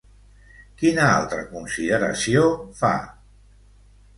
Quina altra consideració fa?